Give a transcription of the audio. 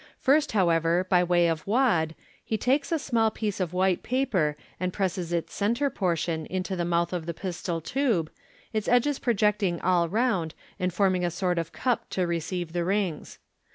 First, however, by way of wad, he takes a small piece of white paper, and presses its centre portion into the mouth of the pistol tube, its edges projecting all round, and forming a sort of cup to receive the rings.